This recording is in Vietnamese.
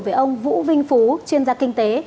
với ông vũ vinh phú chuyên gia kinh tế